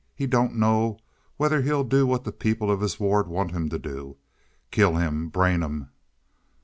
He don't know whether he'll do what the people of this ward want him to do. Kill him! Brain him!"